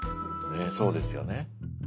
ねっそうですよね。